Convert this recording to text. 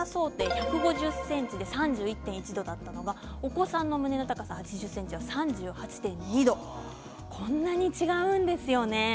１５０ｃｍで３１．１度お子さんの胸の高さ８０ｃｍで３８．２度こんなに違うんですよね。